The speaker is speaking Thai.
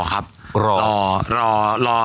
ครับก็จากงานสับปะเหลอโลก